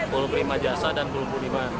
pool prima jasa dan pool budiman